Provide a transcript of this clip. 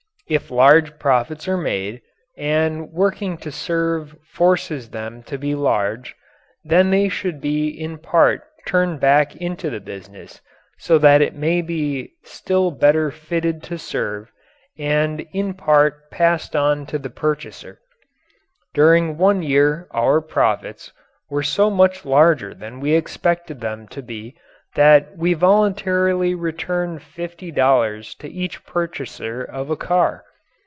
If large profits are made and working to serve forces them to be large then they should be in part turned back into the business so that it may be still better fitted to serve, and in part passed on to the purchaser. During one year our profits were so much larger than we expected them to be that we voluntarily returned fifty dollars to each purchaser of a car.